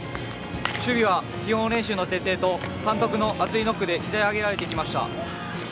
守備は、基本練習の徹底と監督の熱いノックで鍛え上げられてきました。